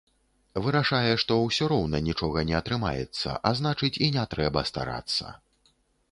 Вырашае, што ўсё роўна нічога не атрымаецца, а значыць, і не трэба старацца.